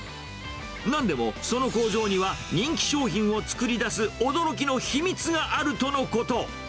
なんでもその工場には、人気商品を作り出す驚きの秘密があるとのこと。